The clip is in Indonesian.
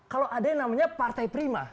kalau ada yang namanya partai prima